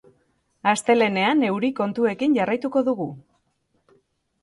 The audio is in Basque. Astelehenean euri kontuekin jarraituko dugu.